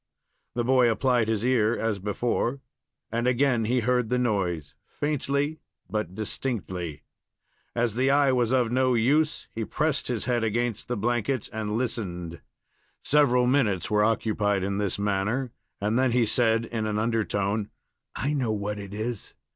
The boy applied his ear as before, and again he heard the noise, faintly, but distinctly; As the eye was of no use, he pressed his head against the blanket and listened. Several minutes were occupied in this manner, and then he said, in an undertone: "I know what it is!